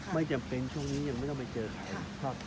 ไม่จำเป็นช่วงนี้ยังไม่ต้องไปเจอใคร